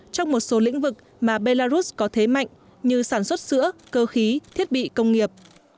trong một số lĩnh vực mà belarus có thế mạnh như sản xuất sữa cơ khí thiết bị công nghiệp